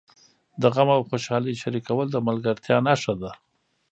د غم او خوشالۍ شریکول د ملګرتیا نښه ده.